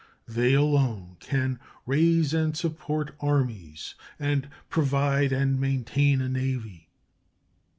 They alone can "raise and support armies" and "provide and maintain a navy."